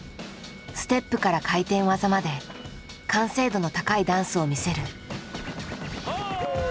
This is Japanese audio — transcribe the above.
ステップから回転技まで完成度の高いダンスを見せる。